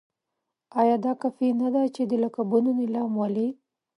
ایا دا کافي نه ده چې د لقبونو نېلام ولید.